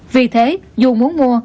vì thế dù muốn mua